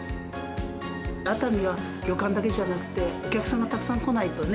熱海は旅館だけじゃなくて、お客さんがたくさん来ないとね。